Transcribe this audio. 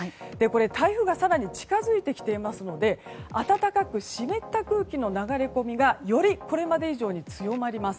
台風が更に近づいてきていますので暖かく湿った空気の流れ込みがよりこれまで以上に強まります。